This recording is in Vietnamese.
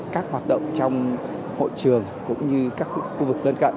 các hoạt động trong hội trường cũng như các khu